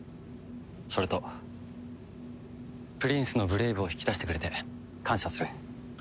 それとプリンスのブレイブを引き出してくれて感謝する。